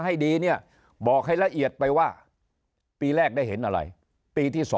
ให้ดีเนี่ยบอกให้ละเอียดไปว่าปีแรกได้เห็นอะไรปีที่๒